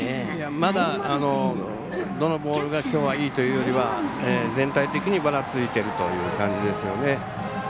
まだどのボールがきょうは、いいというよりは全体的にばらついてるという感じですよね。